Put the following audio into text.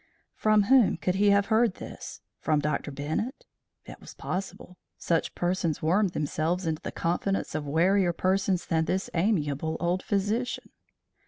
From whom could he have heard this? From Dr. Bennett? It was possible. Such fellows worm themselves into the confidence of warier persons than this amiable old physician.